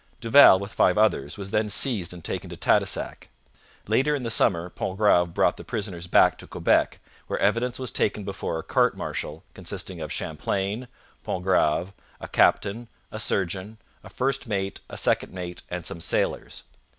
Duval, with five others, was then seized and taken to Tadoussac. Later in the summer Pontgrave brought the prisoners back to Quebec, where evidence was taken before a court martial consisting of Champlain, Pontgrave, a captain, a surgeon, a first mate, a second mate, and some sailors.